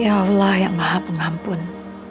ya allah yang maha pengampun